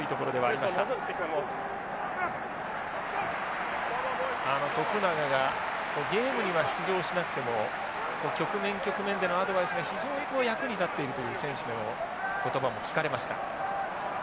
あの永がゲームには出場しなくても局面局面でのアドバイスが非常に役に立っているという選手の言葉も聞かれました。